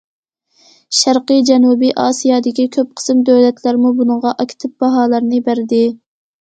شەرقىي جەنۇبىي ئاسىيادىكى كۆپ قىسىم دۆلەتلەرمۇ بۇنىڭغا ئاكتىپ باھالارنى بەردى.